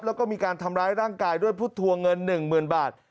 แล้วก็มีการทำร้ายร่างกายด้วยพุทธวงเงิน๑๐๐๐บาท